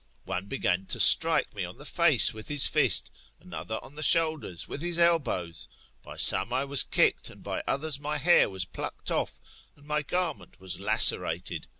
One began to strike me on the face with his fist, another on the shoulders with his elbows; by some I was kicked, and by others my hair was plucked off and my garment was lacerated.